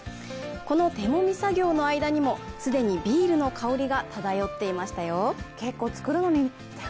この手もみ作業の間にもすでにビールの香りが漂っていましたよ。